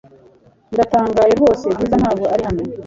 Ndatangaye rwose Bwiza ntabwo ari hano .